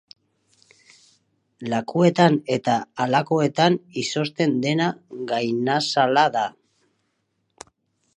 Lakuetan eta halakoetan izozten dena gainazala da.